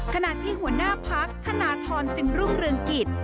ขณะที่หัวหน้าพักธนทรจึงรุ่งเรืองกิจ